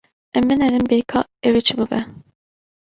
Em binêrin bê ka ew ê çi bibe.